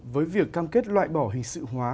với việc cam kết loại bỏ hình sự hóa